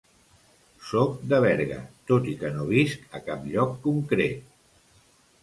Soc de Berga, tot i que no visc a cap lloc concret.